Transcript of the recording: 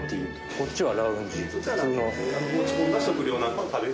こっちはラウンジ？